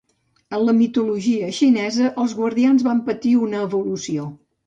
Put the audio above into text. En la mitologia xinesa, els guardians van patir una evolució.